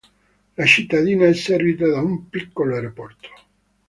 La cittadina è servita da un piccolo aeroporto.